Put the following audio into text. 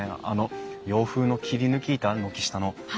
あの洋風の切り抜き板軒下の。